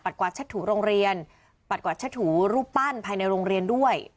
กวาดเช็ดถูโรงเรียนปัดกวาดเช็ดถูรูปปั้นภายในโรงเรียนด้วย